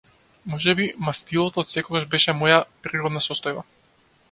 Можеби мастилото отсекогаш беше моја природна состојба.